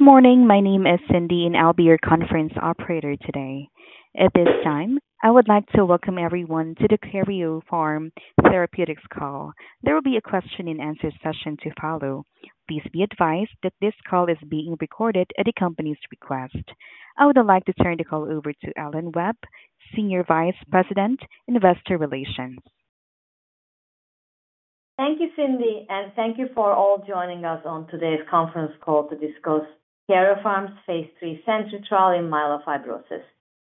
Good morning. My name is Cindy, and I'll be your conference operator today. At this time, I would like to welcome everyone to the Karyopharm Therapeutics call. There will be a question-and-answer session to follow. Please be advised that this call is being recorded at the company's request. I would like to turn the call over to Elhan Webb, Senior Vice President, Investor Relations. Thank you, Cindy, and thank you for all joining us on today's conference call to discuss Karyopharm's phase III SENTRY trial in myelofibrosis.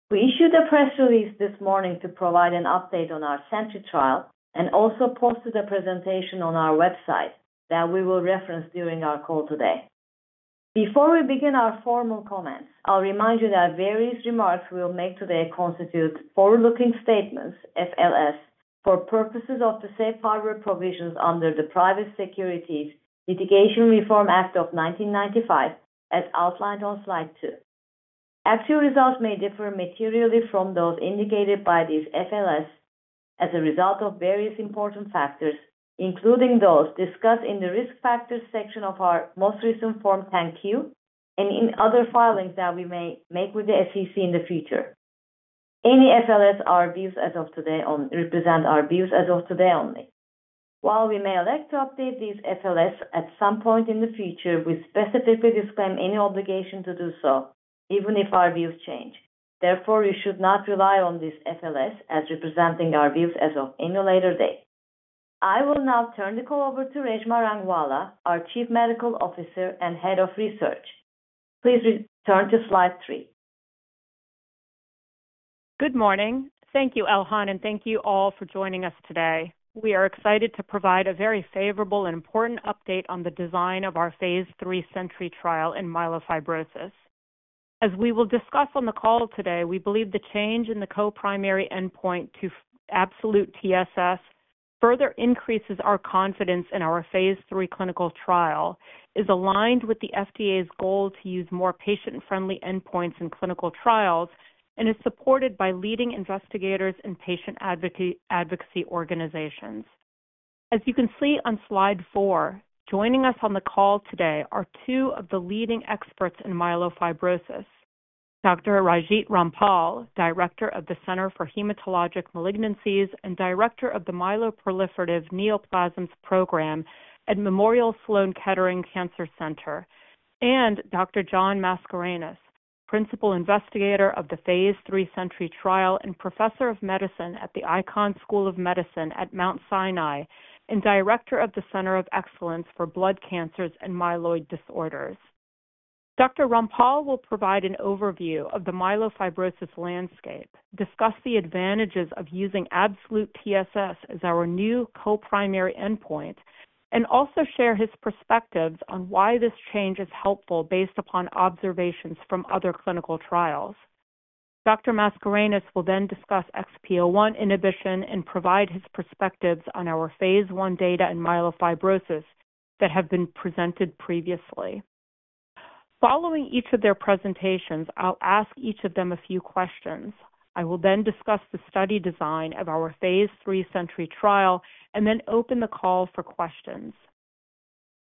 We issued a press release this morning to provide an update on our SENTRY trial and also posted a presentation on our website that we will reference during our call today. Before we begin our formal comments, I'll remind you that various remarks we'll make today constitute forward-looking statements, FLS, for purposes of the safe harbor provisions under the Private Securities Litigation Reform Act of 1995, as outlined on slide two. Actual results may differ materially from those indicated by these FLS as a result of various important factors, including those discussed in the risk factors section of our most recent Form 10-Q and in other filings that we may make with the SEC in the future. Any FLS represent our views as of today only. While we may elect to update these FLS at some point in the future, we specifically disclaim any obligation to do so, even if our views change. Therefore, you should not rely on these FLS as representing our views as of any later date. I will now turn the call over to Reshma Rangwala, our Chief Medical Officer and Head of Research. Please return to slide three. Good morning. Thank you, Elhan, and thank you all for joining us today. We are excited to provide a very favorable and important update on the design of our phase III SENTRY trial in myelofibrosis. As we will discuss on the call today, we believe the change in the co-primary endpoint to Absolute TSS further increases our confidence in our phase III clinical trial, is aligned with the FDA's goal to use more patient-friendly endpoints in clinical trials and is supported by leading investigators and patient advocacy organizations. As you can see on slide four, joining us on the call today are two of the leading experts in myelofibrosis, Dr. Raajit Rampal, Director of the Center for Hematologic Malignancies and Director of the Myeloproliferative Neoplasms Program at Memorial Sloan Kettering Cancer Center, and Dr. John Mascarenhas, Principal Investigator of the phase III SENTRY trial and Professor of Medicine at the Icahn School of Medicine at Mount Sinai and Director of the Center of Excellence for Blood Cancers and Myeloid Disorders. Dr. Rampal will provide an overview of the myelofibrosis landscape, discuss the advantages of using Absolute TSS as our new co-primary endpoint, and also share his perspectives on why this change is helpful based upon observations from other clinical trials. Dr. Mascarenhas will then discuss XPO1 inhibition and provide his perspectives on our phase I data in myelofibrosis that have been presented previously. Following each of their presentations, I'll ask each of them a few questions. I will then discuss the study design of our phase III SENTRY trial and then open the call for questions.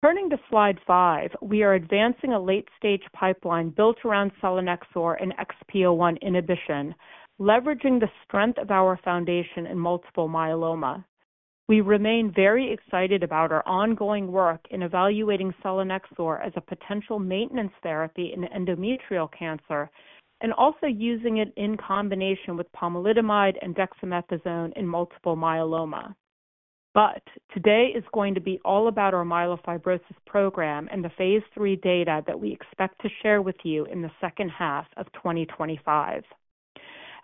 Turning to slide five, we are advancing a late-stage pipeline built around selinexor and XPO1 inhibition, leveraging the strength of our foundation in multiple myeloma. We remain very excited about our ongoing work in evaluating selinexor as a potential maintenance therapy in endometrial cancer and also using it in combination with pomalidomide and dexamethasone in multiple myeloma. But today is going to be all about our myelofibrosis program and the phase III data that we expect to share with you in the second half of 2025.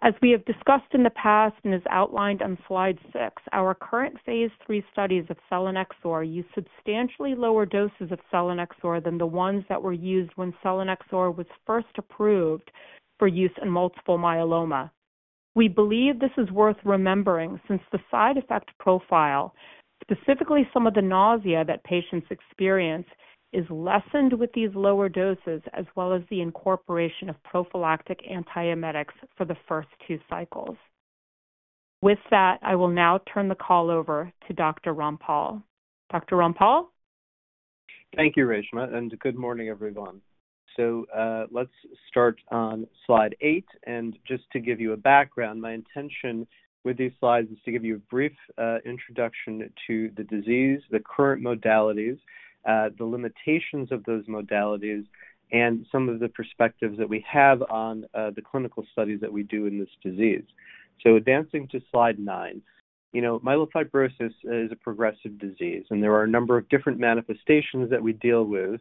As we have discussed in the past and as outlined on slide six, our current phase III studies of selinexor use substantially lower doses of selinexor than the ones that were used when selinexor was first approved for use in multiple myeloma. We believe this is worth remembering since the side effect profile, specifically some of the nausea that patients experience, is lessened with these lower doses as well as the incorporation of prophylactic antiemetics for the first two cycles. With that, I will now turn the call over to Dr. Rampal. Dr. Rampal? Thank you, Reshma, and good morning, everyone. Let's start on slide eight. Just to give you a background, my intention with these slides is to give you a brief introduction to the disease, the current modalities, the limitations of those modalities, and some of the perspectives that we have on the clinical studies that we do in this disease. Advancing to slide nine, myelofibrosis is a progressive disease, and there are a number of different manifestations that we deal with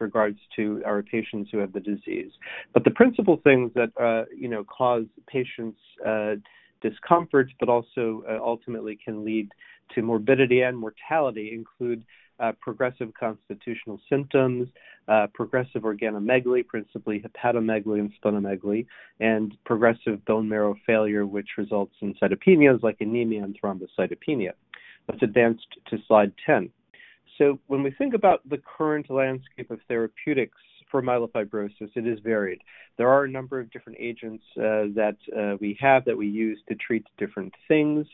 regards to our patients who have the disease. The principal things that cause patients' discomfort, but also ultimately can lead to morbidity and mortality, include progressive constitutional symptoms, progressive organomegaly, principally hepatomegaly and splenomegaly, and progressive bone marrow failure, which results in cytopenias like anemia and thrombocytopenia. Let's advance to slide ten. So when we think about the current landscape of therapeutics for myelofibrosis, it is varied. There are a number of different agents that we have that we use to treat different things.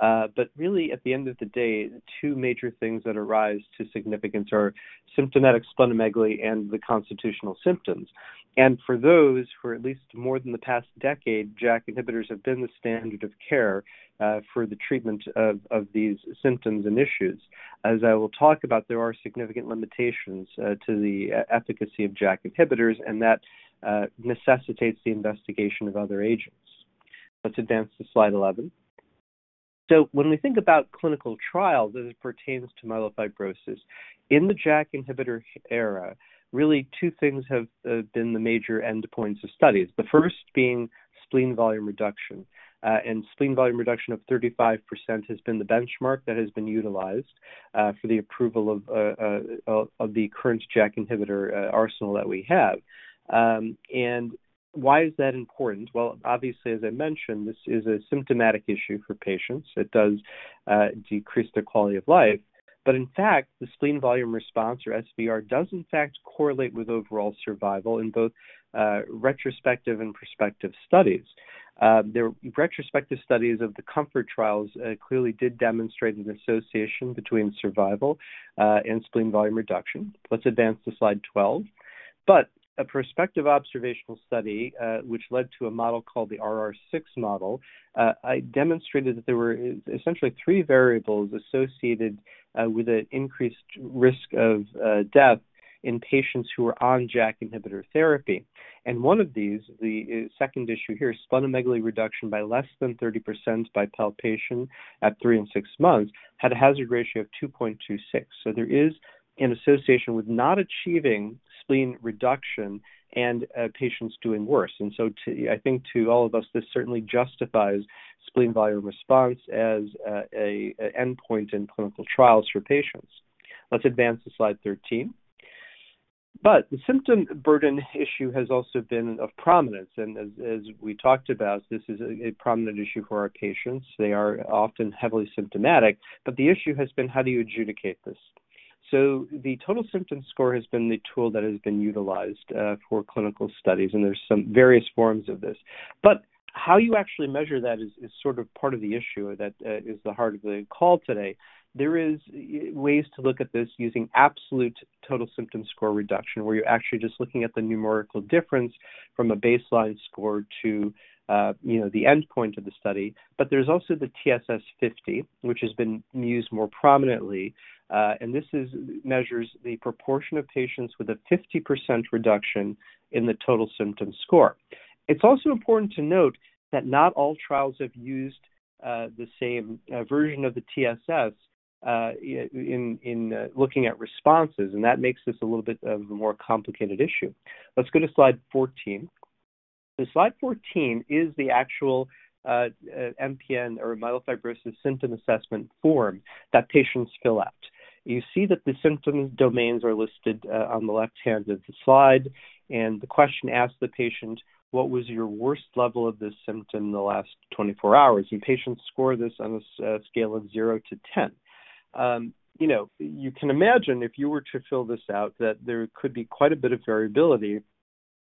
But really, at the end of the day, two major things that arise to significance are symptomatic splenomegaly and the constitutional symptoms. And for those for at least more than the past decade, JAK inhibitors have been the standard of care for the treatment of these symptoms and issues. As I will talk about, there are significant limitations to the efficacy of JAK inhibitors, and that necessitates the investigation of other agents. Let's advance to slide 11. So when we think about clinical trials as it pertains to myelofibrosis, in the JAK inhibitor era, really two things have been the major endpoints of studies, the first being spleen volume reduction. Spleen volume reduction of 35% has been the benchmark that has been utilized for the approval of the current JAK inhibitor arsenal that we have. Why is that important? Obviously, as I mentioned, this is a symptomatic issue for patients. It does decrease their quality of life. In fact, the spleen volume response, or SVR, does in fact correlate with overall survival in both retrospective and prospective studies. The retrospective studies of the COMFORT trials clearly did demonstrate an association between survival and spleen volume reduction. Let's advance to slide 12. A prospective observational study, which led to a model called the RR6 model, demonstrated that there were essentially three variables associated with an increased risk of death in patients who were on JAK inhibitor therapy. One of these, the second issue here, splenomegaly reduction by less than 30% by palpation at three and six months had a hazard ratio of 2.26. There is an association with not achieving spleen reduction and patients doing worse. I think to all of us, this certainly justifies spleen volume response as an endpoint in clinical trials for patients. Let's advance to slide 13. The symptom burden issue has also been of prominence. As we talked about, this is a prominent issue for our patients. They are often heavily symptomatic. The issue has been, how do you adjudicate this? The total symptom score has been the tool that has been utilized for clinical studies, and there's some various forms of this. How you actually measure that is sort of part of the issue that is the heart of the call today. There are ways to look at this using absolute total symptom score reduction, where you're actually just looking at the numerical difference from a baseline score to the endpoint of the study. But there's also the TSS50, which has been used more prominently. And this measures the proportion of patients with a 50% reduction in the total symptom score. It's also important to note that not all trials have used the same version of the TSS in looking at responses, and that makes this a little bit of a more complicated issue. Let's go to slide 14. So slide 14 is the actual MPN or myelofibrosis symptom assessment form that patients fill out. You see that the symptom domains are listed on the left hand of the slide. The question asks the patient, "What was your worst level of this symptom in the last 24 hours?" Patients score this on a scale of 0 to 10. You can imagine if you were to fill this out that there could be quite a bit of variability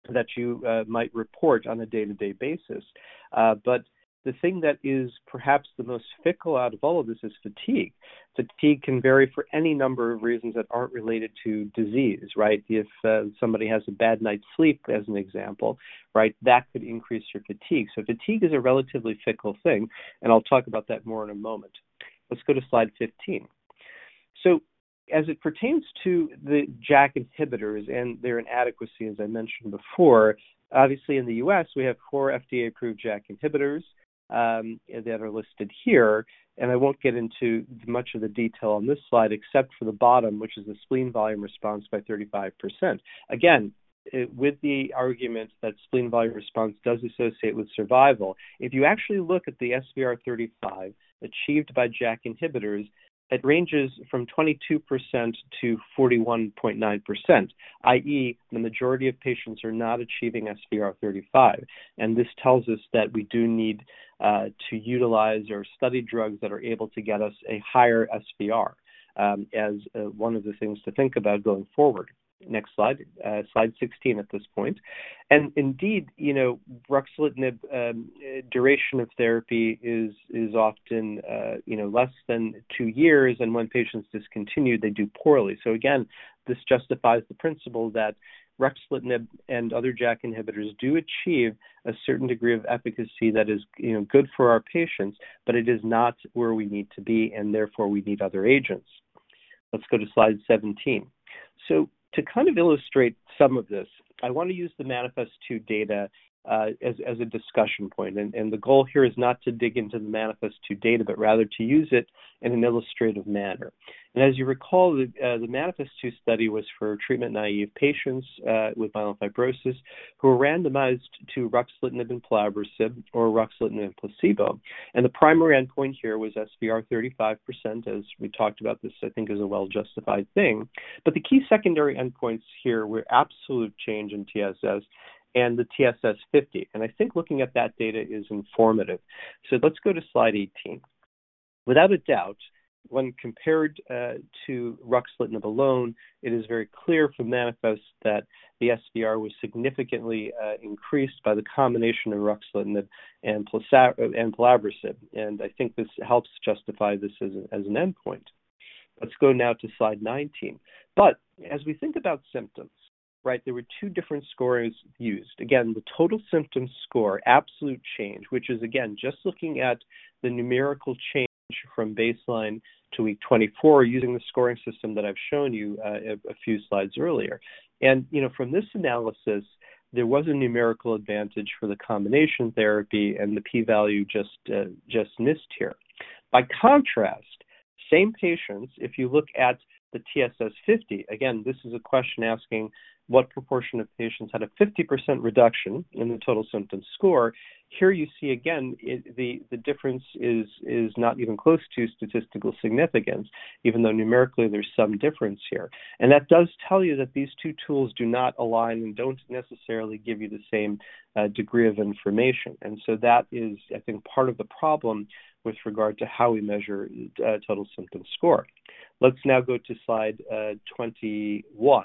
that you might report on a day-to-day basis. But the thing that is perhaps the most fickle out of all of this is fatigue. Fatigue can vary for any number of reasons that aren't related to disease, right? If somebody has a bad night's sleep, as an example, that could increase your fatigue. So fatigue is a relatively fickle thing, and I'll talk about that more in a moment. Let's go to slide 15. As it pertains to the JAK inhibitors and their inadequacy, as I mentioned before, obviously in the U.S., we have four FDA-approved JAK inhibitors that are listed here. And I won't get into much of the detail on this slide except for the bottom, which is the spleen volume response by 35%. Again, with the argument that spleen volume response does associate with survival, if you actually look at the SVR35 achieved by JAK inhibitors, it ranges from 22%-41.9%, i.e., the majority of patients are not achieving SVR35. And this tells us that we do need to utilize or study drugs that are able to get us a higher SVR as one of the things to think about going forward. Next slide, slide 16 at this point. And indeed, ruxolitinib duration of therapy is often less than two years, and when patients discontinue, they do poorly. So again, this justifies the principle that ruxolitinib and other JAK inhibitors do achieve a certain degree of efficacy that is good for our patients, but it is not where we need to be, and therefore we need other agents. Let's go to slide 17. So to kind of illustrate some of this, I want to use the MANIFEST-2 data as a discussion point. And the goal here is not to dig into the MANIFEST-2 data, but rather to use it in an illustrative manner. And as you recall, the MANIFEST-2 study was for treatment naive patients with myelofibrosis who were randomized to ruxolitinib and pelabresib or ruxolitinib and placebo. And the primary endpoint here was SVR35, as we talked about this, I think, is a well-justified thing. But the key secondary endpoints here were absolute change in TSS and the TSS50. I think looking at that data is informative. Let's go to slide 18. Without a doubt, when compared to ruxolitinib alone, it is very clear from MANIFEST that the SVR was significantly increased by the combination of ruxolitinib and pelabresib. I think this helps justify this as an endpoint. Let's go now to slide 19. As we think about symptoms, there were two different scores used. Again, the total symptom score, absolute change, which is, again, just looking at the numerical change from baseline to week 24 using the scoring system that I've shown you a few slides earlier. From this analysis, there was a numerical advantage for the combination therapy, and the p-value just missed here. By contrast, same patients, if you look at the TSS50, again, this is a question asking what proportion of patients had a 50% reduction in the total symptom score. Here you see, again, the difference is not even close to statistical significance, even though numerically there's some difference here, and that does tell you that these two tools do not align and don't necessarily give you the same degree of information, and so that is, I think, part of the problem with regard to how we measure total symptom score. Let's now go to slide 21,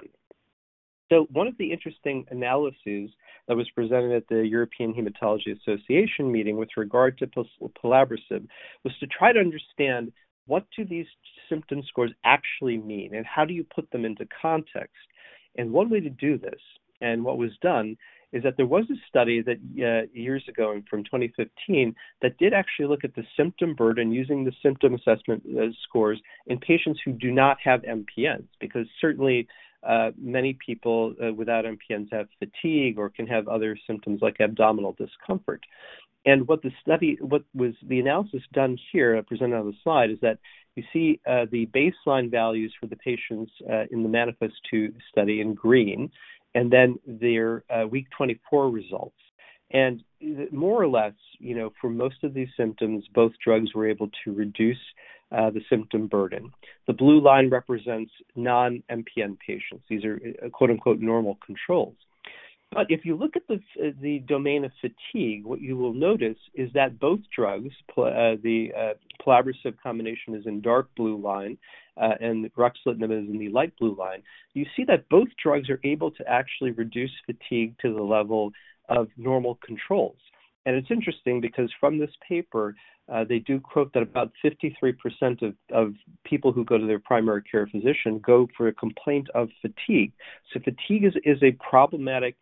so one of the interesting analyses that was presented at the European Hematology Association meeting with regard to pelabresib was to try to understand what do these symptom scores actually mean and how do you put them into context. One way to do this, and what was done, is that there was a study years ago from 2015 that did actually look at the symptom burden using the symptom assessment scores in patients who do not have MPNs, because certainly many people without MPNs have fatigue or can have other symptoms like abdominal discomfort. What was the analysis done here, presented on the slide, is that you see the baseline values for the patients in the MANIFEST-2 study in green, and then their week 24 results. More or less, for most of these symptoms, both drugs were able to reduce the symptom burden. The blue line represents non-MPN patients. These are "normal controls," but if you look at the domain of fatigue, what you will notice is that both drugs, the pelabresib combination is in dark blue line, and ruxolitinib is in the light blue line. You see that both drugs are able to actually reduce fatigue to the level of normal controls, and it's interesting because from this paper, they do quote that about 53% of people who go to their primary care physician go for a complaint of fatigue. So fatigue is a problematic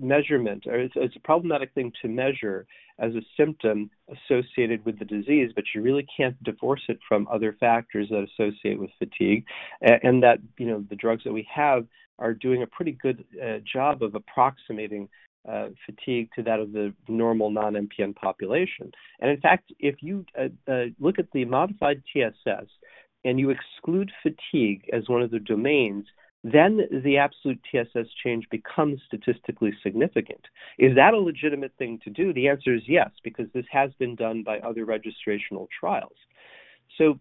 measurement. It's a problematic thing to measure as a symptom associated with the disease, but you really can't divorce it from other factors that associate with fatigue, and that the drugs that we have are doing a pretty good job of approximating fatigue to that of the normal non-MPN population. And in fact, if you look at the modified TSS and you exclude fatigue as one of the domains, then the Absolute TSS change becomes statistically significant. Is that a legitimate thing to do? The answer is yes, because this has been done by other registrational trials. So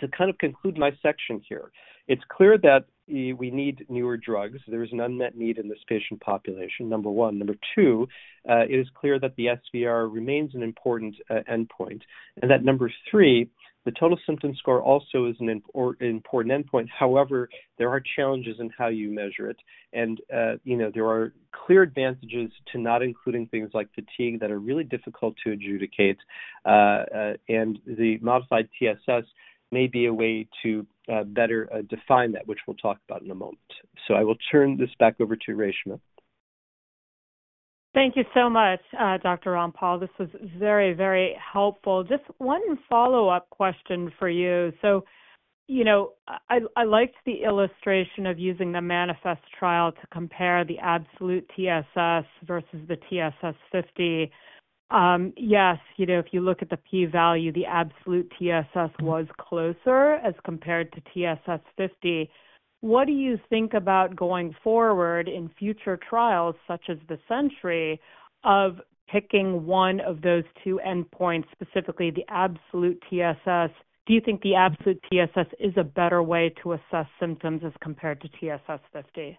to kind of conclude my section here, it's clear that we need newer drugs. There is an unmet need in this patient population, number one. Number two, it is clear that the SVR remains an important endpoint. And that number three, the total symptom score also is an important endpoint. However, there are challenges in how you measure it. And there are clear advantages to not including things like fatigue that are really difficult to adjudicate. And the modified TSS may be a way to better define that, which we'll talk about in a moment. I will turn this back over to Reshma. Thank you so much, Dr. Rampal. This was very, very helpful. Just one follow-up question for you. So I liked the illustration of using the MANIFEST trial to compare the Absolute TSS versus the TSS50. Yes, if you look at the p-value, the Absolute TSS was closer as compared to TSS50. What do you think about going forward in future trials, such as the SENTRY, of picking one of those two endpoints, specifically the Absolute TSS? Do you think the Absolute TSS is a better way to assess symptoms as compared to TSS50?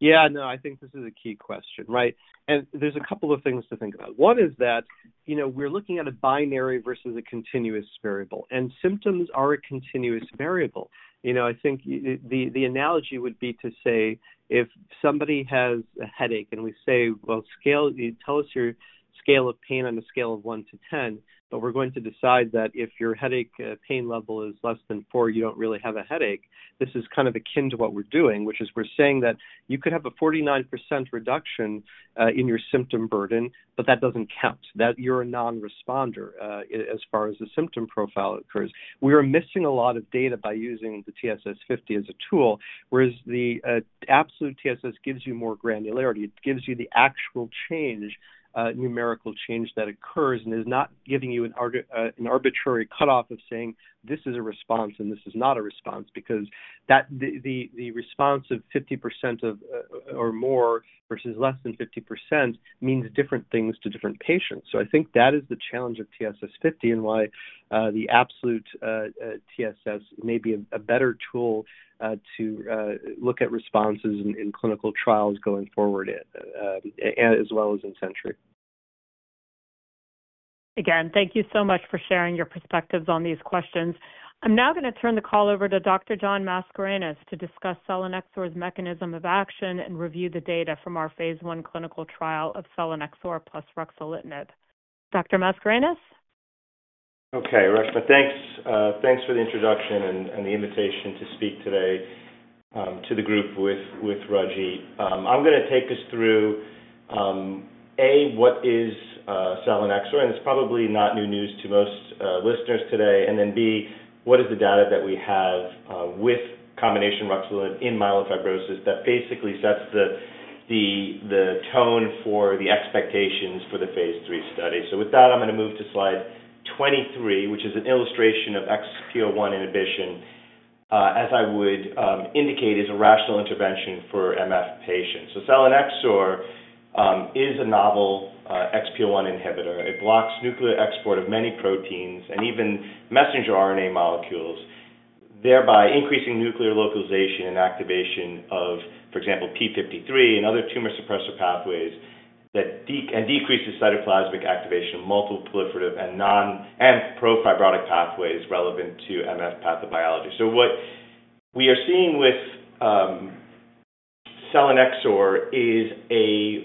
Yeah, no, I think this is a key question, right? And there's a couple of things to think about. One is that we're looking at a binary versus a continuous variable. And symptoms are a continuous variable. I think the analogy would be to say, if somebody has a headache and we say, "Well, tell us your scale of pain on a scale of 1 to 10," but we're going to decide that if your headache pain level is less than 4, you don't really have a headache. This is kind of akin to what we're doing, which is we're saying that you could have a 49% reduction in your symptom burden, but that doesn't count, that you're a non-responder, as far as the symptom profile occurs. We are missing a lot of data by using the TSS50 as a tool, whereas the Absolute TSS gives you more granularity. It gives you the actual change, numerical change that occurs, and is not giving you an arbitrary cutoff of saying, "This is a response, and this is not a response," because the response of 50% or more versus less than 50% means different things to different patients. So I think that is the challenge of TSS50 and why the Absolute TSS may be a better tool to look at responses in clinical trials going forward, as well as in SENTRY. Again, thank you so much for sharing your perspectives on these questions. I'm now going to turn the call over to Dr. John Mascarenhas to discuss selinexor's mechanism of action and review the data from our phase I clinical trial of selinexor plus ruxolitinib. Dr. Mascarenhas? Okay, Reshma, thanks. Thanks for the introduction and the invitation to speak today to the group with Raajit. I'm going to take us through, A, what is selinexor, and it's probably not new news to most listeners today, and then B, what is the data that we have with combination ruxolitinib in myelofibrosis that basically sets the tone for the expectations for the phase III study. So with that, I'm going to move to slide 23, which is an illustration of XPO1 inhibition, as I would indicate, is a rational intervention for MF patients. So selinexor is a novel XPO1 inhibitor. It blocks nuclear export of many proteins and even messenger RNA molecules, thereby increasing nuclear localization and activation of, for example, P53 and other tumor suppressor pathways and decreases cytoplasmic activation of multiple proliferative and profibrotic pathways relevant to MF pathobiology. So what we are seeing with selinexor is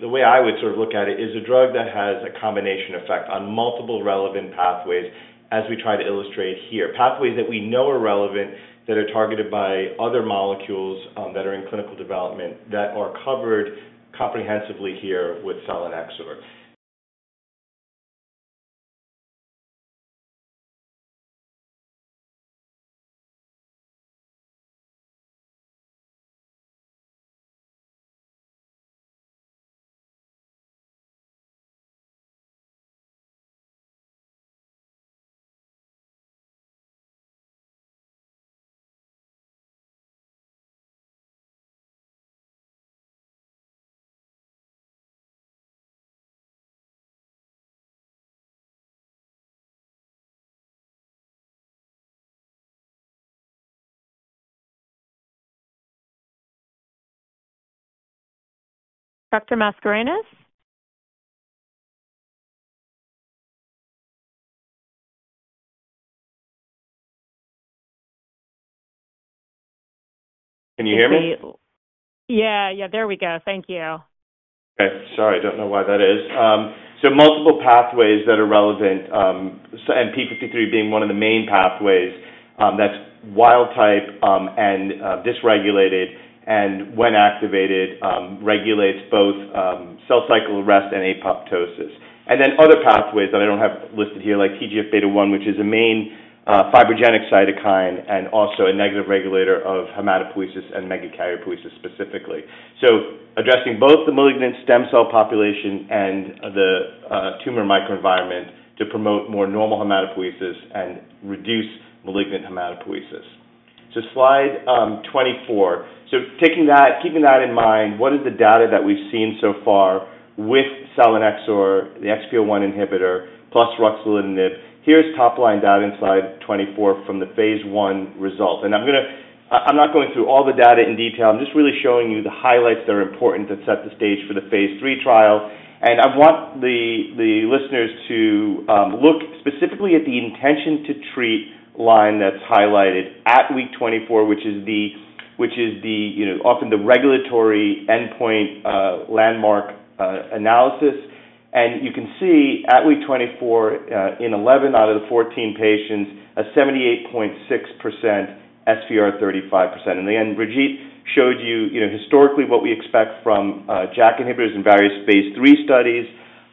the way I would sort of look at it, a drug that has a combination effect on multiple relevant pathways, as we try to illustrate here. Pathways that we know are relevant, that are targeted by other molecules that are in clinical development, that are covered comprehensively here with selinexor. Dr. Mascarenhas? Can you hear me? Yeah, yeah, there we go. Thank you. Okay, sorry, I don't know why that is. Multiple pathways that are relevant, and TP53 being one of the main pathways, that's wild type and dysregulated, and when activated, regulates both cell cycle arrest and apoptosis. Other pathways that I don't have listed here, like TGF-β1, which is a main fibrogenic cytokine and also a negative regulator of hematopoiesis and megakaryopoiesis specifically. Addressing both the malignant stem cell population and the tumor microenvironment to promote more normal hematopoiesis and reduce malignant hematopoiesis. Slide 24. Taking that, keeping that in mind, what is the data that we've seen so far with selinexor, the XPO1 inhibitor plus ruxolitinib? Here's top line data in slide 24 from the phase I result. I'm going to, I'm not going through all the data in detail. I'm just really showing you the highlights that are important that set the stage for the phase III trial. And I want the listeners to look specifically at the intention to treat line that's highlighted at week 24, which is oftentimes the regulatory endpoint landmark analysis. And you can see at week 24, in 11 out of the 14 patients, a 78.6% SVR35. And again, Raajit showed you historically what we expect from JAK inhibitors in various phase III studies.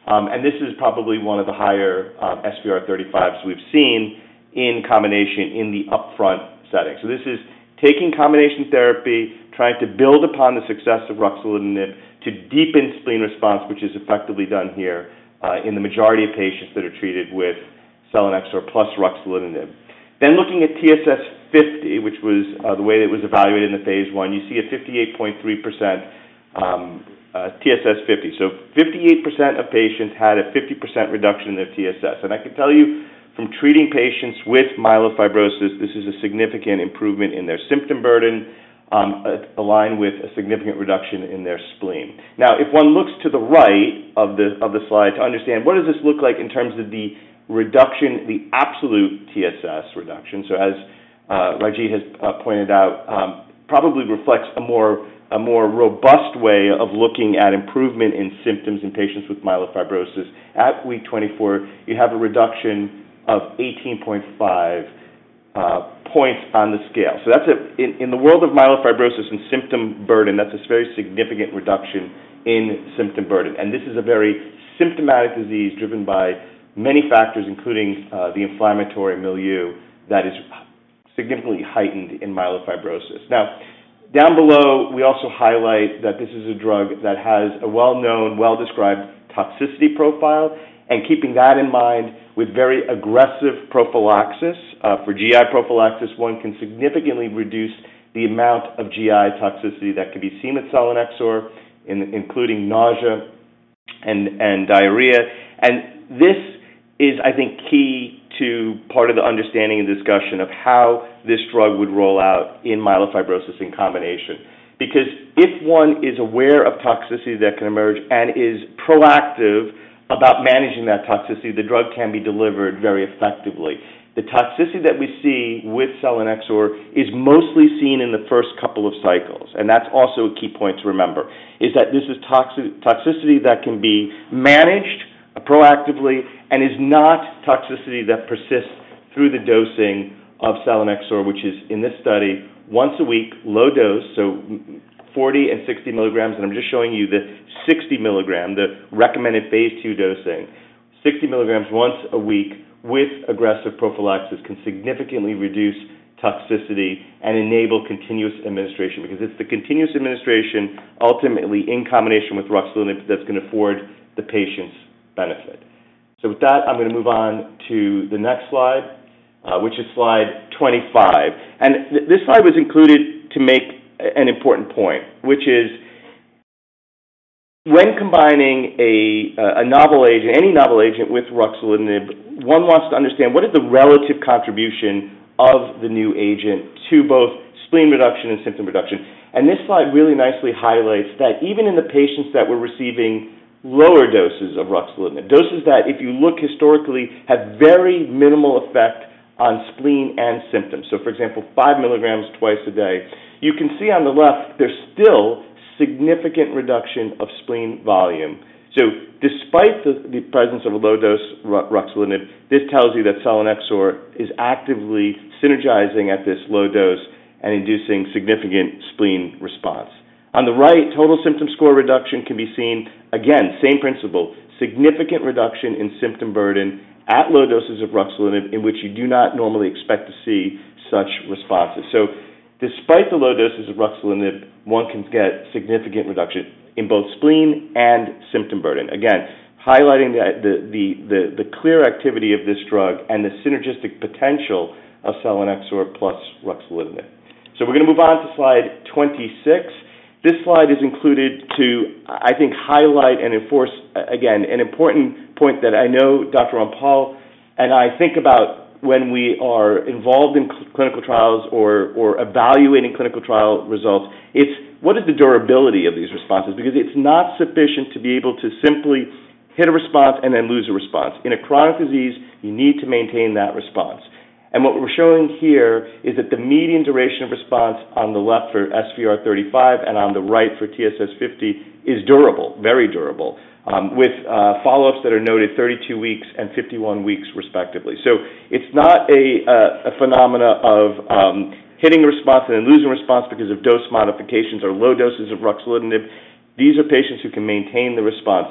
And this is probably one of the higher SVR35s we've seen in combination in the upfront setting. So this is taking combination therapy, trying to build upon the success of ruxolitinib to deepen spleen response, which is effectively done here in the majority of patients that are treated with selinexor plus ruxolitinib. Then looking at TSS50, which was the way it was evaluated in the phase I, you see a 58.3% TSS50. So 58% of patients had a 50% reduction in their TSS. And I can tell you from treating patients with myelofibrosis, this is a significant improvement in their symptom burden, aligned with a significant reduction in their spleen. Now, if one looks to the right of the slide to understand, what does this look like in terms of the reduction, the Absolute TSS reduction? So as Raajit has pointed out, probably reflects a more robust way of looking at improvement in symptoms in patients with myelofibrosis. At week 24, you have a reduction of 18.5 points on the scale. So that's a, in the world of myelofibrosis and symptom burden, that's a very significant reduction in symptom burden. This is a very symptomatic disease driven by many factors, including the inflammatory milieu that is significantly heightened in myelofibrosis. Now, down below, we also highlight that this is a drug that has a well-known, well-described toxicity profile. Keeping that in mind, with very aggressive prophylaxis, for GI prophylaxis, one can significantly reduce the amount of GI toxicity that can be seen with selinexor, including nausea and diarrhea. This is, I think, key to part of the understanding and discussion of how this drug would roll out in myelofibrosis in combination. Because if one is aware of toxicity that can emerge and is proactive about managing that toxicity, the drug can be delivered very effectively. The toxicity that we see with selinexor is mostly seen in the first couple of cycles. That's also a key point to remember, is that this is toxicity that can be managed proactively and is not toxicity that persists through the dosing of selinexor, which is in this study, once a week, low dose, so 40 mg and 60 mg. I'm just showing you the 60 mg, the recommended phase II dosing, 60 mg once a week with aggressive prophylaxis can significantly reduce toxicity and enable continuous administration. Because it's the continuous administration, ultimately in combination with ruxolitinib, that's going to afford the patient's benefit. With that, I'm going to move on to the next slide, which is slide 25. This slide was included to make an important point, which is when combining a novel agent, any novel agent with ruxolitinib, one wants to understand what is the relative contribution of the new agent to both spleen reduction and symptom reduction. And this slide really nicely highlights that even in the patients that were receiving lower doses of ruxolitinib, doses that if you look historically have very minimal effect on spleen and symptoms. So for example, 5 mg, 2x a day, you can see on the left, there's still significant reduction of spleen volume. So despite the presence of a low dose ruxolitinib, this tells you that selinexor is actively synergizing at this low dose and inducing significant spleen response. On the right, total symptom score reduction can be seen, again, same principle, significant reduction in symptom burden at low doses of ruxolitinib, in which you do not normally expect to see such responses. So, despite the low doses of ruxolitinib, one can get significant reduction in both spleen and symptom burden. Again, highlighting the clear activity of this drug and the synergistic potential of selinexor plus ruxolitinib. So we're going to move on to slide 26. This slide is included to, I think, highlight and enforce, again, an important point that I know Dr. Rampal and I think about when we are involved in clinical trials or evaluating clinical trial results. It's what is the durability of these responses? Because it's not sufficient to be able to simply hit a response and then lose a response. In a chronic disease, you need to maintain that response. And what we're showing here is that the median duration of response on the left for SVR35 and on the right for TSS50 is durable, very durable, with follow-ups that are noted 32 weeks and 51 weeks respectively. So it's not a phenomenon of hitting a response and then losing a response because of dose modifications or low doses of ruxolitinib. These are patients who can maintain the response.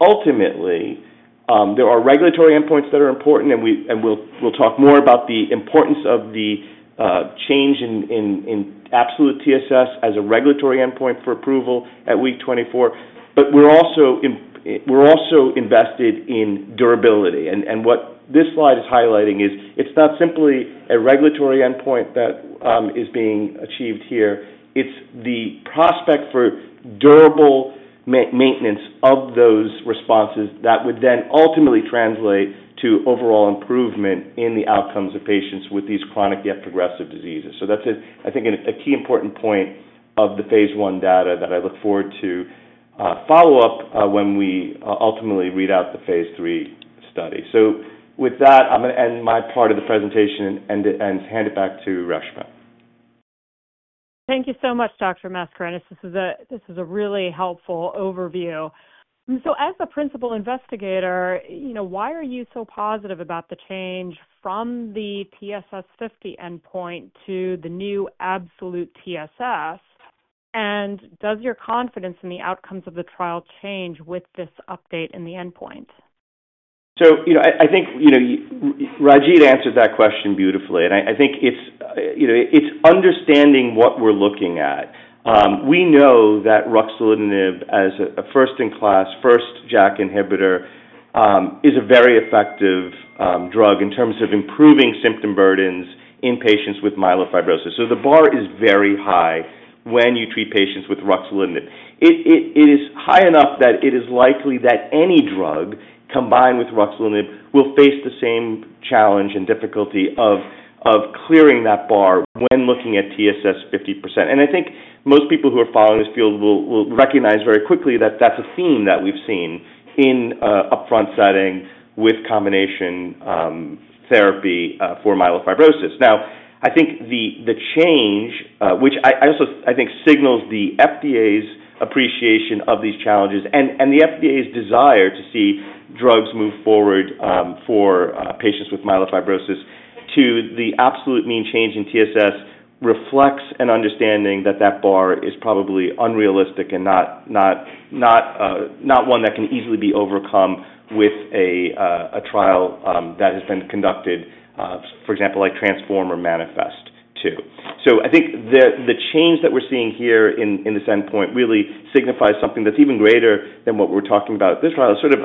Ultimately, there are regulatory endpoints that are important, and we'll talk more about the importance of the change in Absolute TSS as a regulatory endpoint for approval at week 24. We're also invested in durability. What this slide is highlighting is it's not simply a regulatory endpoint that is being achieved here. It's the prospect for durable maintenance of those responses that would then ultimately translate to overall improvement in the outcomes of patients with these chronic yet progressive diseases. That's a, I think, a key important point of the phase I data that I look forward to follow up when we ultimately read out the phase III study. With that, I'm going to end my part of the presentation and hand it back to Reshma. Thank you so much, Dr. Mascarenhas. This is a really helpful overview. So as the principal investigator, why are you so positive about the change from the TSS50 endpoint to the new Absolute TSS? And does your confidence in the outcomes of the trial change with this update in the endpoint? So I think Raajit answered that question beautifully. And I think it's understanding what we're looking at. We know that ruxolitinib as a first-in-class, first JAK inhibitor is a very effective drug in terms of improving symptom burdens in patients with myelofibrosis. So the bar is very high when you treat patients with ruxolitinib. It is high enough that it is likely that any drug combined with ruxolitinib will face the same challenge and difficulty of clearing that bar when looking at TSS50%. And I think most people who are following this field will recognize very quickly that that's a theme that we've seen in upfront setting with combination therapy for myelofibrosis. Now, I think the change, which I also think signals the FDA's appreciation of these challenges and the FDA's desire to see drugs move forward for patients with myelofibrosis, to the absolute mean change in TSS reflects an understanding that that bar is probably unrealistic and not one that can easily be overcome with a trial that has been conducted, for example, like TRANSFORM, MANIFEST-2, so I think the change that we're seeing here in this endpoint really signifies something that's even greater than what we're talking about this trial, sort of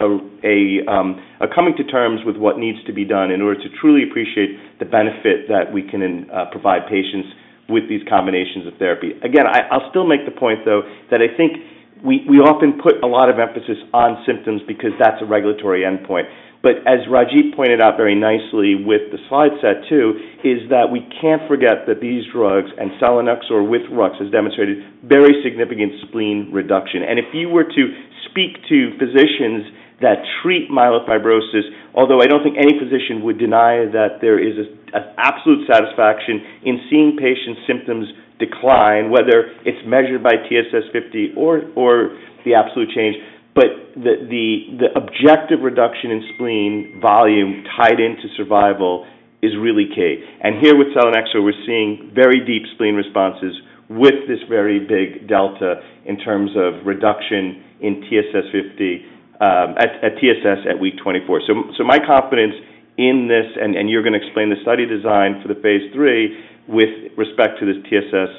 a coming to terms with what needs to be done in order to truly appreciate the benefit that we can provide patients with these combinations of therapy. Again, I'll still make the point, though, that I think we often put a lot of emphasis on symptoms because that's a regulatory endpoint. But as Raajit pointed out very nicely with the slide set too, is that we can't forget that these drugs and selinexor with ruxolitinib has demonstrated very significant spleen reduction. And if you were to speak to physicians that treat myelofibrosis, although I don't think any physician would deny that there is an absolute satisfaction in seeing patients' symptoms decline, whether it's measured by TSS50 or the absolute change, but the objective reduction in spleen volume tied into survival is really key. And here with selinexor, we're seeing very deep spleen responses with this very big delta in terms of reduction in TSS50 at TSS at week 24. So my confidence in this, and you're going to explain the study design for the phase III with respect to this TSS,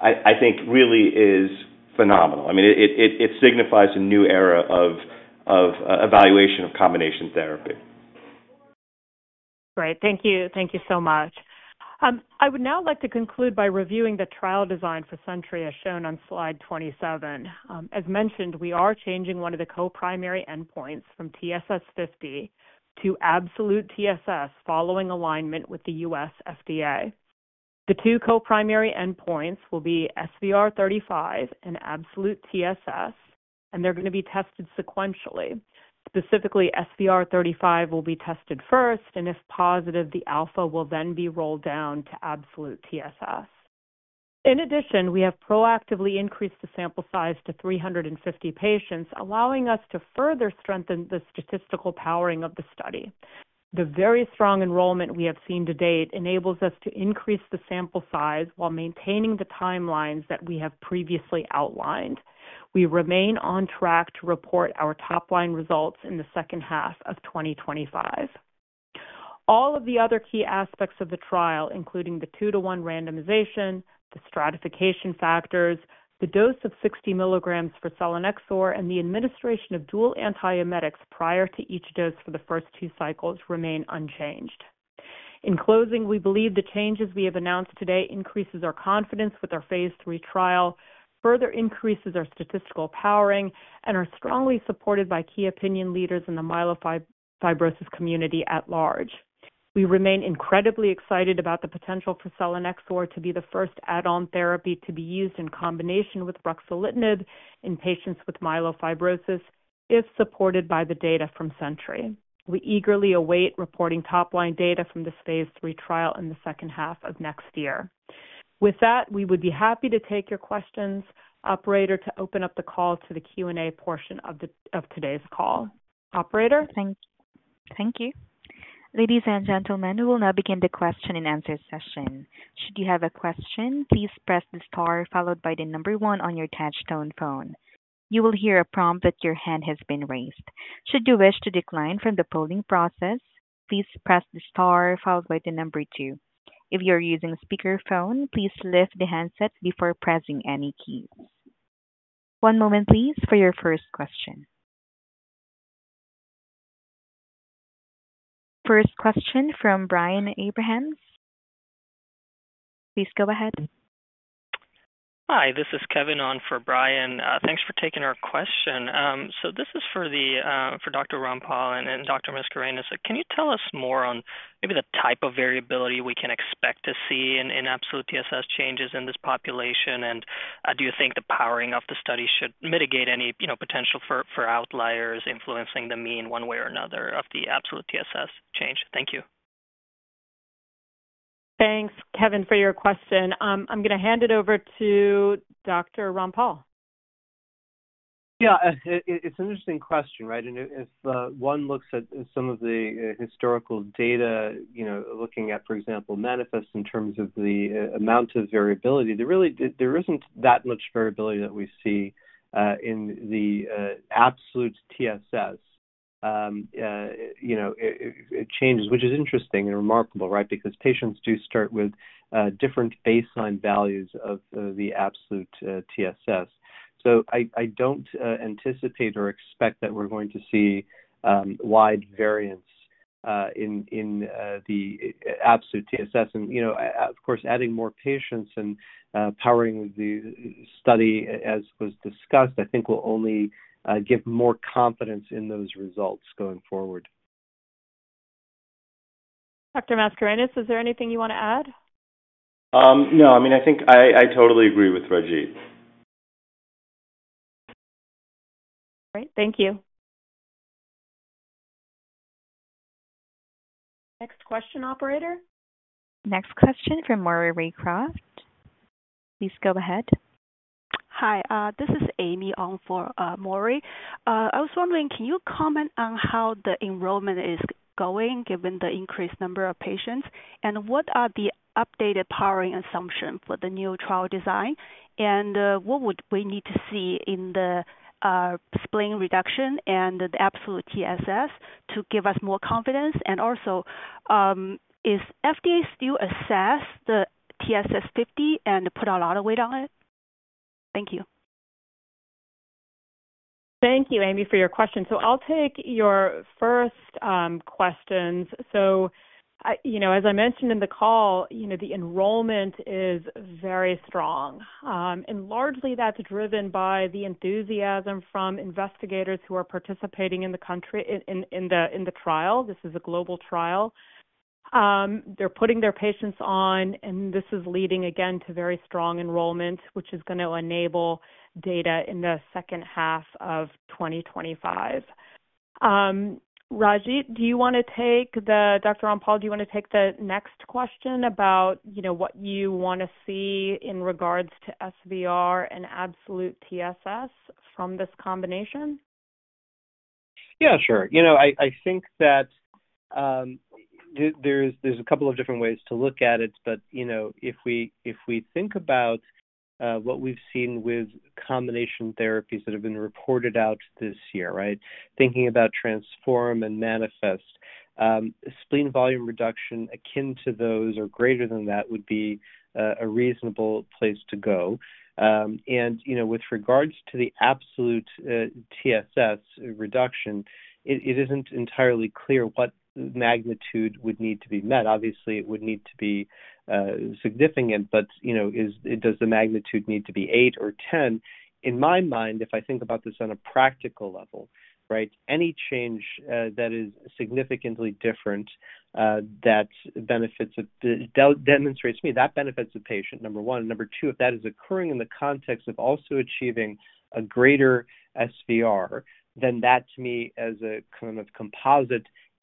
I think really is phenomenal. I mean, it signifies a new era of evaluation of combination therapy. Great. Thank you. Thank you so much. I would now like to conclude by reviewing the trial design for SENTRY shown on slide 27. As mentioned, we are changing one of the co-primary endpoints from TSS50 to Absolute TSS following alignment with the U.S. FDA. The two co-primary endpoints will be SVR35 and Absolute TSS, and they're going to be tested sequentially. Specifically, SVR35 will be tested first, and if positive, the alpha will then be rolled down to Absolute TSS. In addition, we have proactively increased the sample size to 350 patients, allowing us to further strengthen the statistical powering of the study. The very strong enrollment we have seen to date enables us to increase the sample size while maintaining the timelines that we have previously outlined. We remain on track to report our top-line results in the second half of 2025. All of the other key aspects of the trial, including the two-to-one randomization, the stratification factors, the dose of 60 mg for selinexor, and the administration of dual antiemetics prior to each dose for the first two cycles remain unchanged. In closing, we believe the changes we have announced today increase our confidence with our phase III trial, further increase our statistical powering, and are strongly supported by key opinion leaders in the myelofibrosis community at large. We remain incredibly excited about the potential for selinexor to be the first add-on therapy to be used in combination with ruxolitinib in patients with myelofibrosis, if supported by the data from SENTRY. We eagerly await reporting top-line data from this phase III trial in the second half of next year. With that, we would be happy to take your questions, Operator, to open up the call to the Q&A portion of today's call. Operator? Thank you. Ladies and gentlemen, we will now begin the question and answer session. Should you have a question, please press the star followed by the number one on your touch-tone phone. You will hear a prompt that your hand has been raised. Should you wish to decline from the polling process, please press the star followed by the number two. If you're using speakerphone, please lift the handset before pressing any keys. One moment, please, for your first question. First question from Brian Abrahams. Please go ahead. Hi, this is Kevin on for Brian. Thanks for taking our question. So this is for Dr. Rampal and Dr. Mascarenhas. Can you tell us more on maybe the type of variability we can expect to see in Absolute TSS changes in this population? And do you think the powering of the study should mitigate any potential for outliers influencing the mean one way or another of the Absolute TSS change? Thank you. Thanks, Kevin, for your question. I'm going to hand it over to Dr. Rampal. Yeah, it's an interesting question, right? And if one looks at some of the historical data, looking at, for example, MANIFEST in terms of the amount of variability, there really isn't that much variability that we see in the Absolute TSS changes, which is interesting and remarkable, right? Because patients do start with different baseline values of the Absolute TSS. So I don't anticipate or expect that we're going to see wide variance in the Absolute TSS. And of course, adding more patients and powering the study, as was discussed, I think will only give more confidence in those results going forward. Dr. Mascarenhas, is there anything you want to add? No. I mean, I think I totally agree with Raajit. All right. Thank you. Next question, Operator? Next question from Maury Raycroft. Please go ahead. Hi, this is Amy on for Maury. I was wondering, can you comment on how the enrollment is going given the increased number of patients? And what are the updated powering assumptions for the new trial design? And what would we need to see in the spleen reduction and the Absolute TSS to give us more confidence? And also, is the FDA still assessing the TSS50 and put a lot of weight on it? Thank you. Thank you, Amy, for your question. So I'll take your first questions. So as I mentioned in the call, the enrollment is very strong. And largely, that's driven by the enthusiasm from investigators who are participating in the trial. This is a global trial. They're putting their patients on, and this is leading, again, to very strong enrollment, which is going to enable data in the second half of 2025. Raajit, Dr. Rampal, do you want to take the next question about what you want to see in regards to SVR and Absolute TSS from this combination? Yeah, sure. I think that there's a couple of different ways to look at it. But if we think about what we've seen with combination therapies that have been reported out this year, right? Thinking about TRANSFORM and MANIFEST, spleen volume reduction akin to those or greater than that would be a reasonable place to go. And with regards to the Absolute TSS reduction, it isn't entirely clear what magnitude would need to be met. Obviously, it would need to be significant, but does the magnitude need to be eight or 10? In my mind, if I think about this on a practical level, right? Any change that is significantly different that demonstrates to me that benefits the patient, number one. And number two, if that is occurring in the context of also achieving a greater SVR, then that, to me, as a kind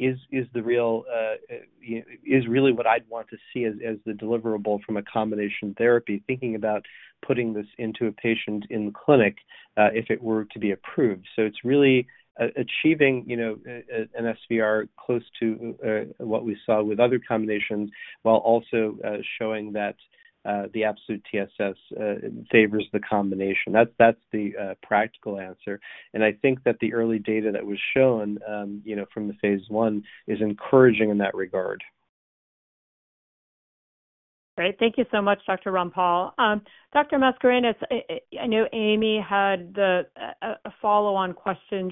of composite, is really what I'd want to see as the deliverable from a combination therapy, thinking about putting this into a patient in clinic if it were to be approved. So it's really achieving an SVR close to what we saw with other combinations while also showing that the Absolute TSS favors the combination. That's the practical answer. And I think that the early data that was shown from the phase I is encouraging in that regard. All right. Thank you so much, Dr. Rampal. Dr. Mascarenhas, I know Amy had a follow-on question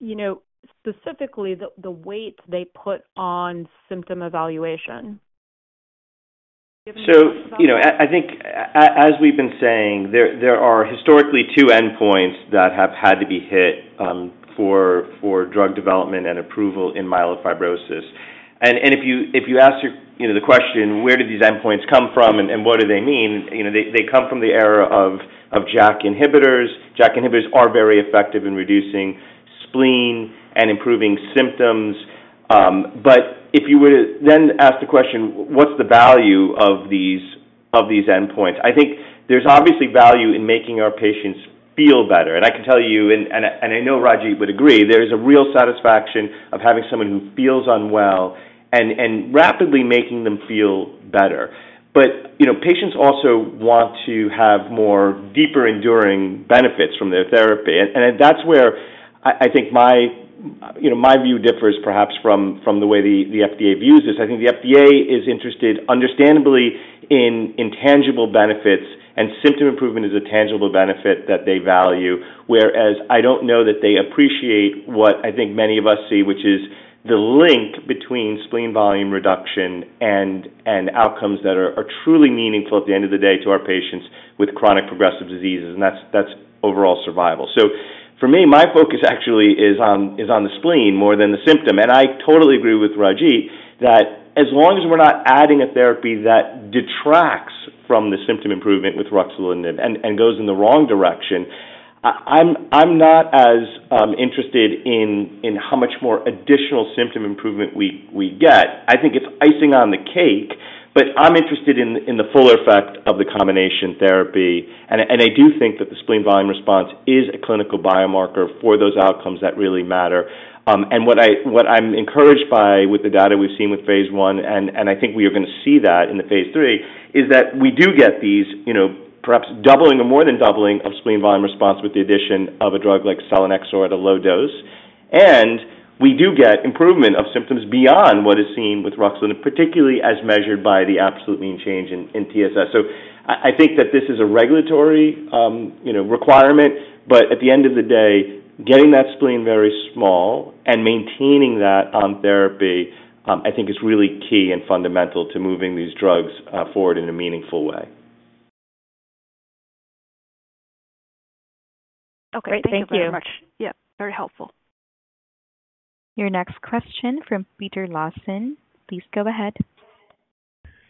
just in regards to how the FDA views both of these endpoints and specifically the weight they put on symptom evaluation. I think as we've been saying, there are historically two endpoints that have had to be hit for drug development and approval in myelofibrosis. If you ask the question, where did these endpoints come from and what do they mean? They come from the era of JAK inhibitors. JAK inhibitors are very effective in reducing spleen and improving symptoms. If you were to then ask the question, what's the value of these endpoints? I think there's obviously value in making our patients feel better. I can tell you, and I know Raajit would agree, there is a real satisfaction of having someone who feels unwell and rapidly making them feel better. Patients also want to have more deeper enduring benefits from their therapy. That's where I think my view differs perhaps from the way the FDA views this. I think the FDA is interested, understandably, in intangible benefits, and symptom improvement is a tangible benefit that they value, whereas I don't know that they appreciate what I think many of us see, which is the link between spleen volume reduction and outcomes that are truly meaningful at the end of the day to our patients with chronic progressive diseases, and that's overall survival, so for me, my focus actually is on the spleen more than the symptom, and I totally agree with Raajit that as long as we're not adding a therapy that detracts from the symptom improvement with ruxolitinib and goes in the wrong direction, I'm not as interested in how much more additional symptom improvement we get. I think it's icing on the cake, but I'm interested in the fuller effect of the combination therapy. And I do think that the spleen volume response is a clinical biomarker for those outcomes that really matter. And what I'm encouraged by with the data we've seen with phase I, and I think we are going to see that in the phase III, is that we do get these perhaps doubling or more than doubling of spleen volume response with the addition of a drug like selinexor at a low dose. And we do get improvement of symptoms beyond what is seen with ruxolitinib, particularly as measured by the absolute mean change in TSS. So I think that this is a regulatory requirement, but at the end of the day, getting that spleen very small and maintaining that on therapy, I think, is really key and fundamental to moving these drugs forward in a meaningful way. Okay. Thank you very much. Yeah, very helpful. Your next question from Peter Lawson. Please go ahead.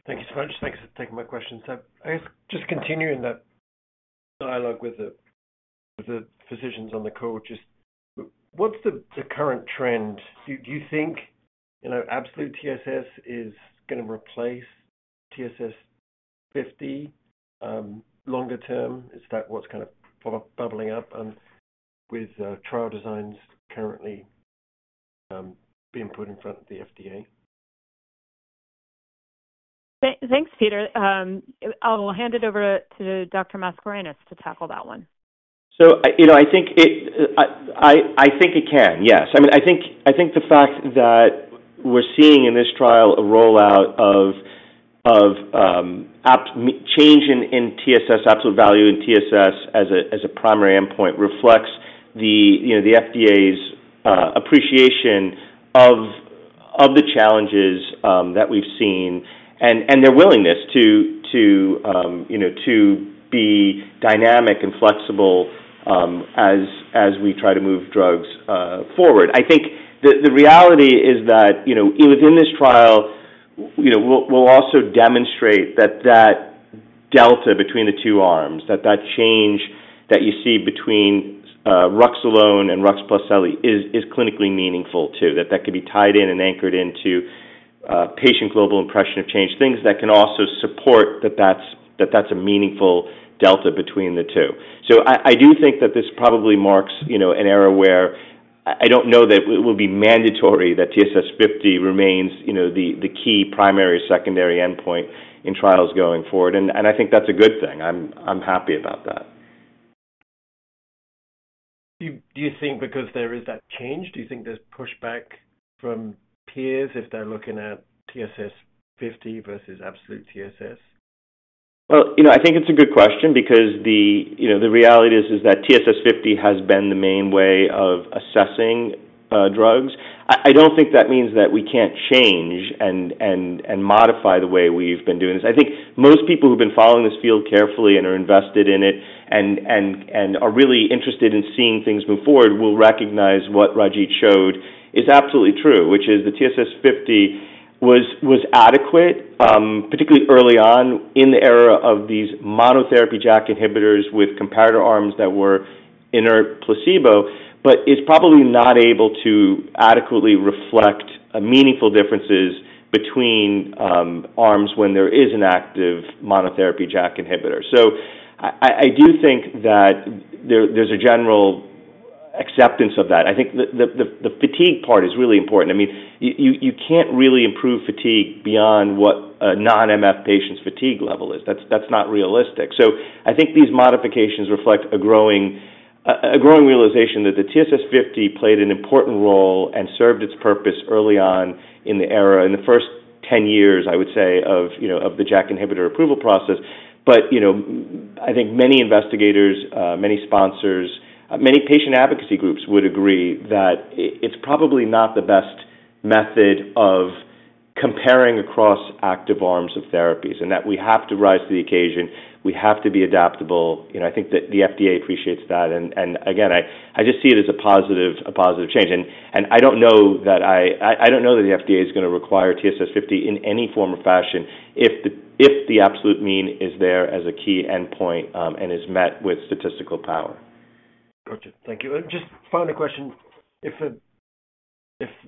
Thank you so much. Thanks for taking my question. So I guess just continuing that dialogue with the physicians on the call, just what's the current trend? Do you think Absolute TSS is going to replace TSS50 longer term? Is that what's kind of bubbling up with trial designs currently being put in front of the FDA? Thanks, Peter. I'll hand it over to Dr. Mascarenhas to tackle that one. So I think it can, yes. I mean, I think the fact that we're seeing in this trial a rollout of change in TSS, absolute value in TSS as a primary endpoint reflects the FDA's appreciation of the challenges that we've seen and their willingness to be dynamic and flexible as we try to move drugs forward. I think the reality is that within this trial, we'll also demonstrate that delta between the two arms, that that change that you see between ruxolitinib and rux plus selinexor is clinically meaningful too, that that can be tied in and anchored into Patient Global Impression of Change, things that can also support that that's a meaningful delta between the two. I do think that this probably marks an era where I don't know that it will be mandatory that TSS50 remains the key primary or secondary endpoint in trials going forward. I think that's a good thing. I'm happy about that. Do you think because there is that change, do you think there's pushback from peers if they're looking at TSS50 versus Absolute TSS? I think it's a good question because the reality is that TSS50 has been the main way of assessing drugs. I don't think that means that we can't change and modify the way we've been doing this. I think most people who've been following this field carefully and are invested in it and are really interested in seeing things move forward will recognize what Raajit showed is absolutely true, which is the TSS50 was adequate, particularly early on in the era of these monotherapy JAK inhibitors with comparator arms that were inert placebo, but is probably not able to adequately reflect meaningful differences between arms when there is an active monotherapy JAK inhibitor. So I do think that there's a general acceptance of that. I think the fatigue part is really important. I mean, you can't really improve fatigue beyond what a non-MF patient's fatigue level is. That's not realistic. So I think these modifications reflect a growing realization that the TSS50 played an important role and served its purpose early on in the era, in the first 10 years, I would say, of the JAK inhibitor approval process. But I think many investigators, many sponsors, many patient advocacy groups would agree that it's probably not the best method of comparing across active arms of therapies and that we have to rise to the occasion. We have to be adaptable. I think that the FDA appreciates that. And again, I just see it as a positive change. And I don't know that the FDA is going to require TSS50 in any form or fashion if the absolute mean is there as a key endpoint and is met with statistical power. Gotcha. Thank you. Just final question. If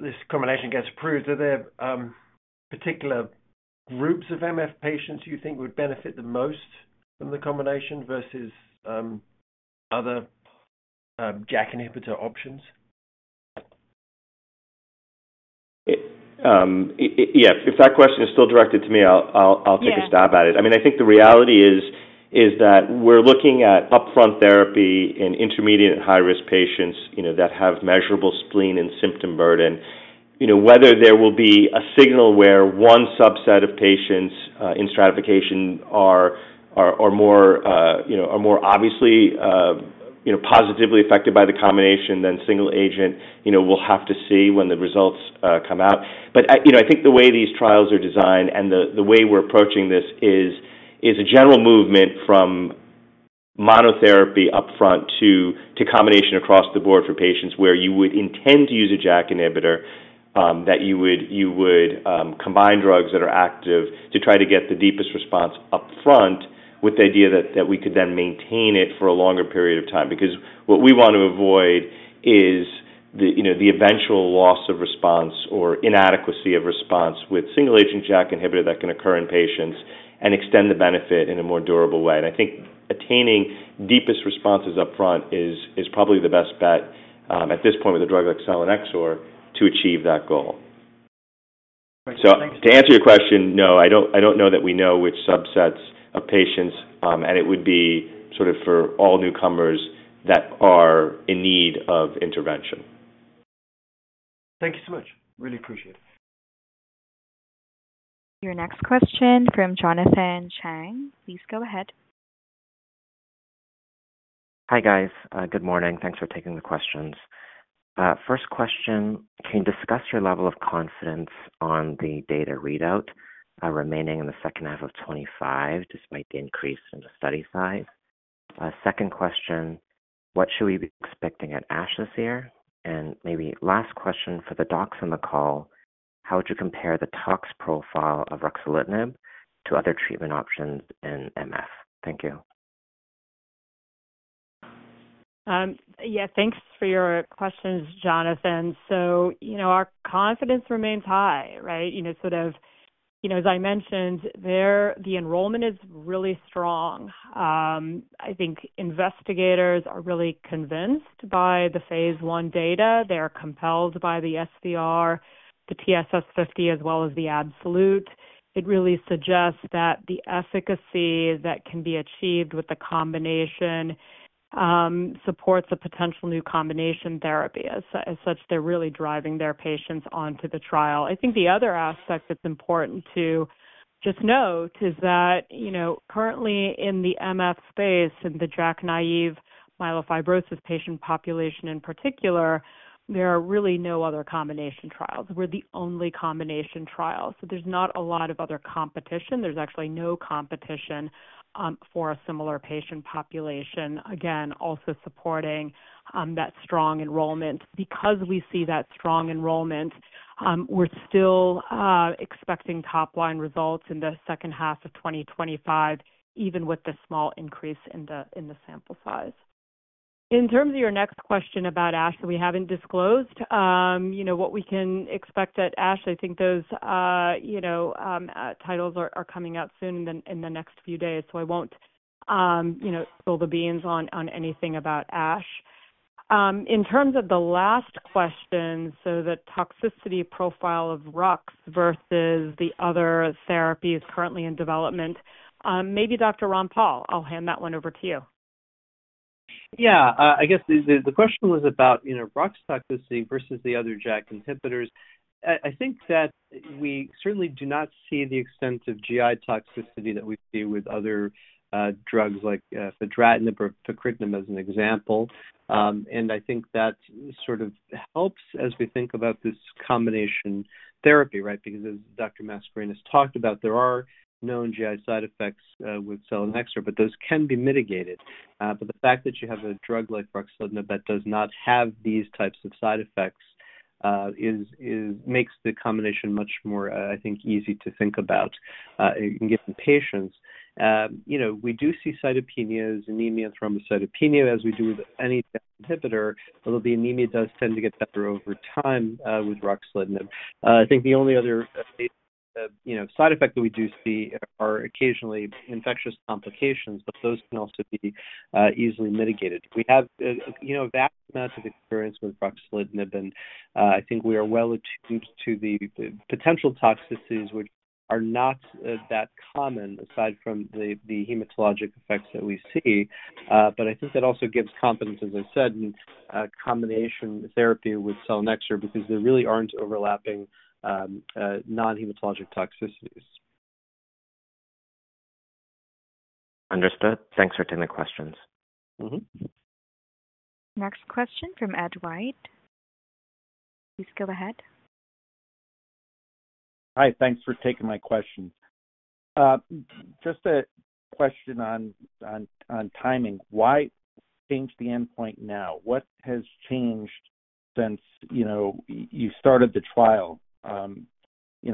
this combination gets approved, are there particular groups of MF patients you think would benefit the most from the combination versus other JAK inhibitor options? Yeah. If that question is still directed to me, I'll take a stab at it. I mean, I think the reality is that we're looking at upfront therapy in intermediate and high-risk patients that have measurable spleen and symptom burden. Whether there will be a signal where one subset of patients in stratification are more obviously positively affected by the combination than single agent, we'll have to see when the results come out. But I think the way these trials are designed and the way we're approaching this is a general movement from monotherapy upfront to combination across the board for patients where you would intend to use a JAK inhibitor, that you would combine drugs that are active to try to get the deepest response upfront with the idea that we could then maintain it for a longer period of time. Because what we want to avoid is the eventual loss of response or inadequacy of response with single agent JAK inhibitor that can occur in patients and extend the benefit in a more durable way. And I think attaining deepest responses upfront is probably the best bet at this point with a drug like selinexor to achieve that goal. So to answer your question, no, I don't know that we know which subsets of patients, and it would be sort of for all newcomers that are in need of intervention. Thank you so much. Really appreciate it. Your next question from Jonathan Chang. Please go ahead. Hi guys. Good morning. Thanks for taking the questions. First question, can you discuss your level of confidence on the data readout remaining in the second half of 2025 despite the increase in the study size? Second question, what should we be expecting at ASH this year? And maybe last question for the docs on the call, how would you compare the tox profile of ruxolitinib to other treatment options in MF? Thank you. Yeah. Thanks for your questions, Jonathan. So our confidence remains high, right? Sort of as I mentioned, the enrollment is really strong. I think investigators are really convinced by the phase I data. They're compelled by the SVR, the TSS50, as well as the absolute. It really suggests that the efficacy that can be achieved with the combination supports a potential new combination therapy. As such, they're really driving their patients onto the trial. I think the other aspect that's important to just note is that currently in the MF space, in the JAK naive myelofibrosis patient population in particular, there are really no other combination trials. We're the only combination trial. So there's not a lot of other competition. There's actually no competition for a similar patient population, again, also supporting that strong enrollment. Because we see that strong enrollment, we're still expecting top-line results in the second half of 2025, even with the small increase in the sample size. In terms of your next question about ASH that we haven't disclosed, what we can expect at ASH, I think those titles are coming out soon in the next few days. So I won't spill the beans on anything about ASH. In terms of the last question, so the toxicity profile of rux versus the other therapies currently in development, maybe Dr. Rampal, I'll hand that one over to you. Yeah. I guess the question was about rux toxicity versus the other JAK inhibitors. I think that we certainly do not see the extent of GI toxicity that we see with other drugs like fedratinib or pacritinib as an example. And I think that sort of helps as we think about this combination therapy, right? Because as Dr. Mascarenhas talked about, there are known GI side effects with selinexor, but those can be mitigated. But the fact that you have a drug like ruxolitinib that does not have these types of side effects makes the combination much more, I think, easy to think about in given patients. We do see cytopenias, anemia and thrombocytopenia, as we do with any JAK inhibitor, although the anemia does tend to get better over time with ruxolitinib. I think the only other side effect that we do see are occasionally infectious complications, but those can also be easily mitigated. We have a vast amount of experience with ruxolitinib, and I think we are well attuned to the potential toxicities, which are not that common aside from the hematologic effects that we see. But I think that also gives confidence, as I said, in combination therapy with selinexor because there really aren't overlapping non-hematologic toxicities. Understood. Thanks for taking the questions. Next question from Ed White. Please go ahead. Hi. Thanks for taking my question. Just a question on timing. Why change the endpoint now? What has changed since you started the trial?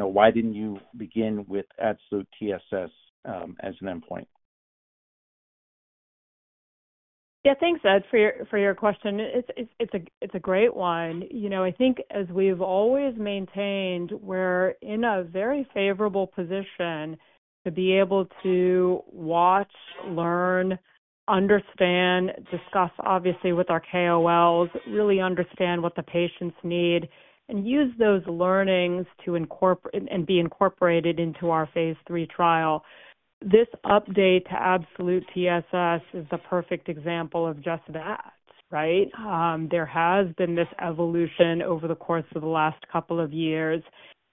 Why didn't you begin with Absolute TSS as an endpoint? Yeah. Thanks, Ed, for your question. It's a great one. I think as we've always maintained, we're in a very favorable position to be able to watch, learn, understand, discuss, obviously, with our KOLs, really understand what the patients need, and use those learnings to be incorporated into our phase III trial. This update to Absolute TSS is the perfect example of just that, right? There has been this evolution over the course of the last couple of years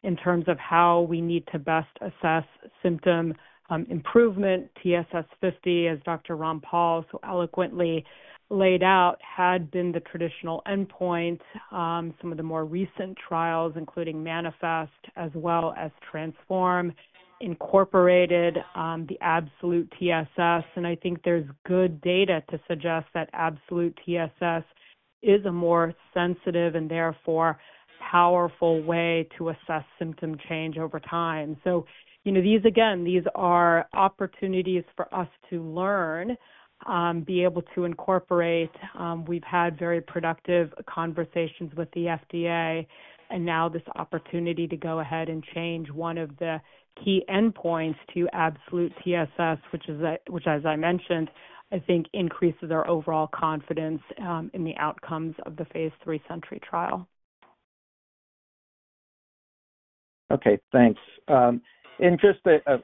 in terms of how we need to best assess symptom improvement. TSS50, as Dr. Rampal so eloquently laid out, had been the traditional endpoint. Some of the more recent trials, including MANIFEST as well as TRANSFORM, incorporated the Absolute TSS, and I think there's good data to suggest that Absolute TSS is a more sensitive and therefore powerful way to assess symptom change over time. So again, these are opportunities for us to learn, be able to incorporate. We've had very productive conversations with the FDA, and now this opportunity to go ahead and change one of the key endpoints to Absolute TSS, which, as I mentioned, I think increases our overall confidence in the outcomes of the phase III SENTRY trial. Okay. Thanks. And just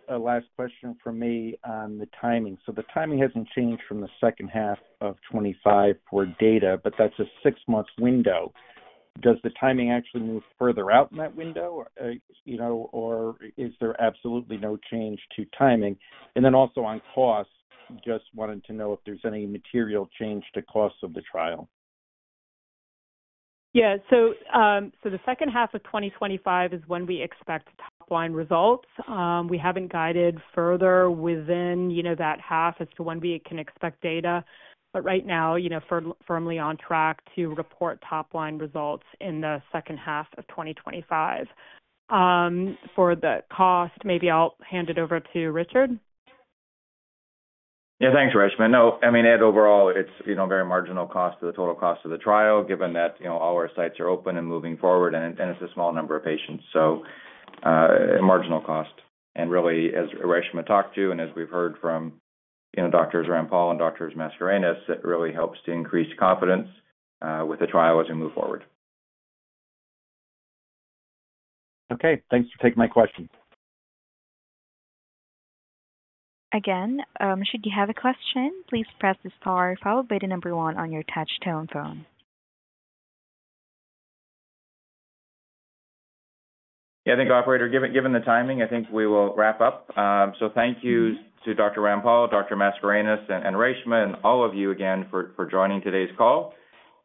a last question for me on the timing. So the timing hasn't changed from the second half of 2025 for data, but that's a six-month window. Does the timing actually move further out in that window, or is there absolutely no change to timing? And then also on cost, just wanted to know if there's any material change to cost of the trial? Yeah. So the second half of 2025 is when we expect top-line results. We haven't guided further within that half as to when we can expect data. But right now, firmly on track to report top-line results in the second half of 2025. For the cost, maybe I'll hand it over to Richard. Yeah. Thanks, Reshma. No. I mean, Ed, overall, it's very marginal cost to the total cost of the trial, given that all our sites are open and moving forward, and it's a small number of patients. So marginal cost. And really, as Reshma talked to you and as we've heard from Dr. Rampal and Dr. Mascarenhas, it really helps to increase confidence with the trial as we move forward. Okay. Thanks for taking my question. Again, should you have a question, please press star followed by the number one on your touch tone phone. Yeah. I think, Operator, given the timing, I think we will wrap up. So, thank you to Dr. Rampal, Dr. Mascarenhas, and Reshma, and all of you again for joining today's call.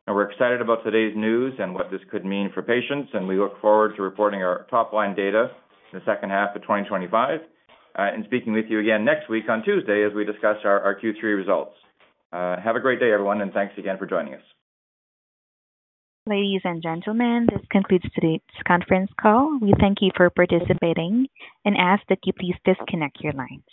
And we're excited about today's news and what this could mean for patients. And we look forward to reporting our top-line data in the second half of 2025 and speaking with you again next week on Tuesday as we discuss our Q3 results. Have a great day, everyone. And thanks again for joining us. Ladies and gentlemen, this concludes today's conference call. We thank you for participating and ask that you please disconnect your lines.